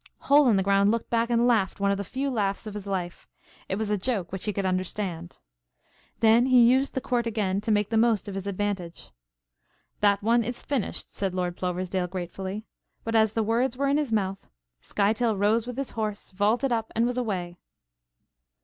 Hole in the Ground looked back and laughed one of the few laughs of his life. It was a joke which he could understand. Then he used the quirt again to make the most of his advantage. "That one is finished," said Lord Ploversdale gratefully. But as the words were in his mouth, Skytail rose with his horse, vaulted up and was away.